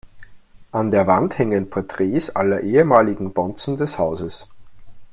An der Wand hängen Porträts aller ehemaligen Bonzen des Hauses.